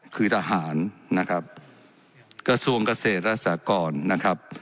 คือทหารนะครับกระทรวงเกษตรและสากรนะครับ